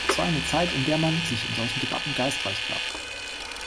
Es war eine Zeit, in der man sich in solchen Debatten geistreich gab.